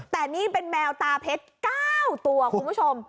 แต่นี่เป็นแมวตาเพชร๙ตัวคุณผู้ชม